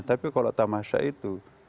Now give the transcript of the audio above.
tapi kalau tamasha itu